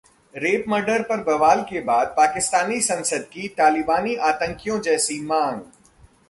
rape-murder पर बवाल के बाद पाकिस्तानी संसद की तालिबानी आतंकियों जैसी मांग